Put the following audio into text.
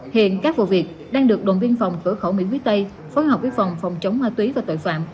hiện các vụ việc đang được đồn viên phòng khởi khẩu mỹ quý tây phối hợp với phòng chống ma túy và tội phạm